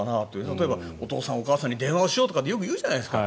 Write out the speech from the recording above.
例えば、お父さんお母さんに電話をしようとかよく言うじゃないですか。